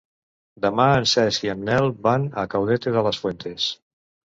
Demà en Cesc i en Nel van a Caudete de las Fuentes.